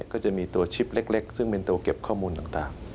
ก็จะมีตัวชิปเล็กซึ่งเป็นตัวเก็บข้อมูลต่าง